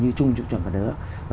tốc độ như chung trong cả nước